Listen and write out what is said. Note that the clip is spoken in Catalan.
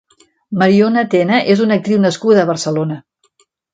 Mariona Tena és una actriu nascuda a Barcelona.